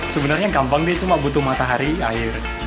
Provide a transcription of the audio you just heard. sebenarnya gampang dia cuma butuh matahari air